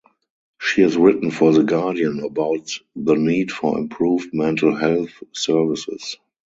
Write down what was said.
She has written for the Guardian about the need for improved mental health services.